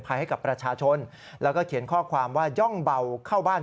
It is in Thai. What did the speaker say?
ให้กับประชาชนแล้วก็เขียนข้อความว่าย่องเบาเข้าบ้าน